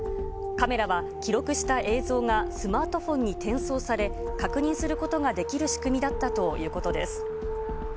カメラは記録した映像がスマートフォンに転送され、確認することができる仕組みだったということです。